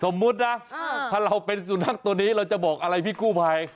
สมมุตินะถ้าเราเป็นสุนัขตัวนี้เราจะบอกอะไรพี่กู้ภัย